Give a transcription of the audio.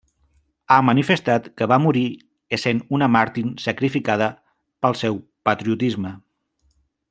Ha manifestat que va morir essent una màrtir sacrificada pel seu patriotisme.